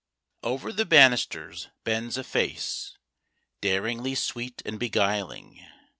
Over the banisters bends a face, Daringly sweet and beguiling.